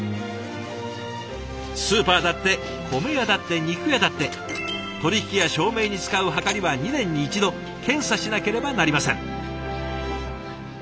スーパーだって米屋だって肉屋だって取引や証明に使うはかりは２年に１度検査しなければなりません。